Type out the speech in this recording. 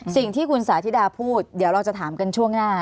สิ่งที่คุณสาธิดาพูดเดี๋ยวเราจะถามกันช่วงหน้า